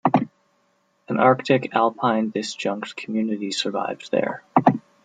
An Arctic-alpine disjunct community survives there.